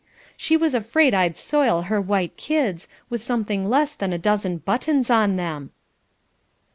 she was afraid I'd soil her white kids, with something less than a dozen buttons on them."